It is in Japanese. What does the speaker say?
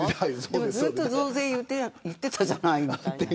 ずっと増税だと言ってたじゃないですか。